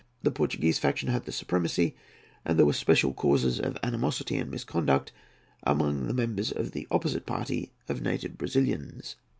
The Portuguese faction had the supremacy, and there were special causes of animosity and misconduct among the members of the opposite party of native Brazilians.